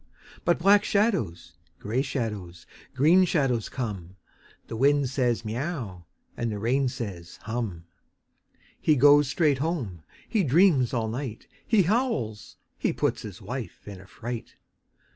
But black shadows, grey shadows, green shadows come. The wind says, " Miau !" and the rain says, « Hum !" He goes straight home. He dreams all night. He howls. He puts his wife in a fright.